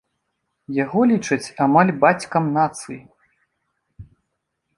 Яго лічаць амаль бацькам нацыі.